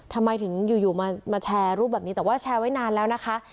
ทำไมถึงอยู่มาแชร์รูปแบบนี้แต่ว่าแชร์ไว้นานแล้วนะคะ